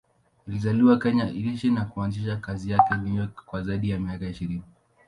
Alizaliwa Kenya, aliishi na kuanzisha kazi zake New York kwa zaidi ya miaka ishirini.